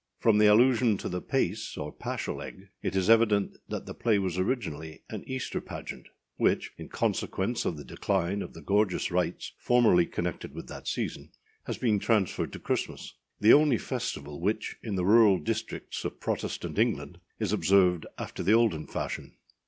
From the allusion to the pace, or paschal egg, it is evident that the play was originally an Easter pageant, which, in consequence of the decline of the gorgeous rites formerly connected with that season, has been transferred to Christmas, the only festival which, in the rural districts of Protestant England, is observed after the olden fashion.